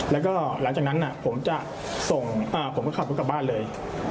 แล้วก็หลังจากนั้นผมจะส่งผมก็ขับรถกลับบ้านเลย